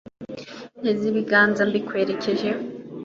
nteze ibiganza mbikwerekejeho